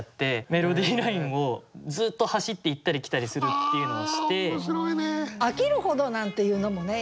メロディーラインをずっと走って行ったり来たりするっていうのをして。